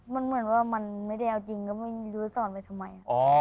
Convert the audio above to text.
มันเหมือนว่ามันไม่ได้เอาจริงก็ไม่รู้จะสอนไปทำไม